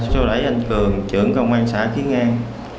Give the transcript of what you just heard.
sau đấy anh cường trưởng công an xã khiến an